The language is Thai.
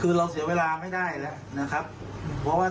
คือเราเสียเวลาไม่ได้นะครับเพราะว่าทานาฟาร์มไม่เกี่ยวนะครับ